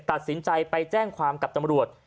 ตัดสินใจไปแจ้งความกับตำรวจ